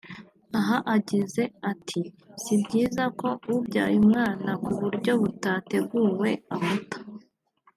Aha yagize ati”Si byiza ko ubyaye umwana ku buryo butateguwe amuta